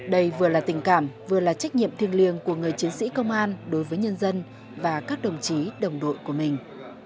đây vừa là tình cảm vừa là trách nhiệm thiêng liêng của người chiến sĩ công an đối với nhân dân và các đồng chí đồng đội của mình